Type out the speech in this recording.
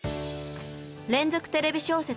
「連続テレビ小説」